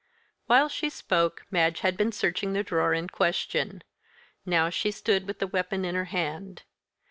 While she spoke, Madge had been searching the drawer in question. Now she stood with the weapon in her hand.